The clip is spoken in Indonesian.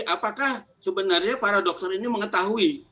apakah sebenarnya para dokter ini mengetahui